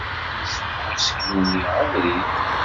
Yegzem useklu-nni abrid.